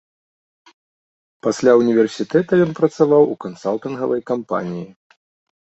Пасля ўніверсітэта ён працаваў у кансалтынгавай кампаніі.